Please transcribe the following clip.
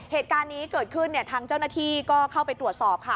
เหตุการณ์นี้เกิดขึ้นเนี่ยทางเจ้าหน้าที่ก็เข้าไปตรวจสอบค่ะ